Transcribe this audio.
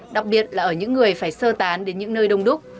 đặc biệt là ở những người phải sơ tán đến những nơi đông đúc